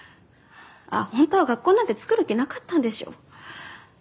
あっ本当は学校なんて作る気なかったんでしょ。